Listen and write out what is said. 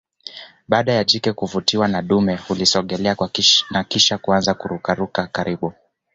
Baada ya jike kuvutiwa na dume hulisogelelea na kisha kuanza kurukaruka karibu